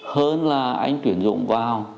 hơn là anh tuyển dụng vào